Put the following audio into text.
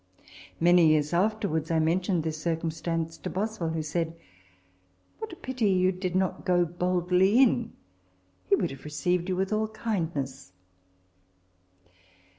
Many years afterwards, I mentioned this circumstance to Boswell, who said, " What a pity that you did not go boldly in ! he would have received you \\ith all kindness.